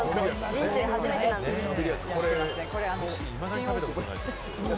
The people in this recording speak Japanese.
人生初めてなんですよ。